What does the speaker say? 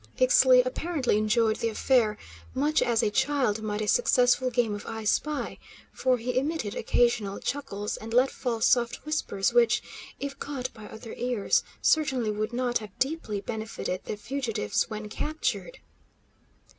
Ixtli apparently enjoyed the affair, much as a child might a successful game of I spy, for he emitted occasional chuckles, and let fall soft whispers which, if caught by other ears, certainly would not have deeply benefited the fugitives when captured.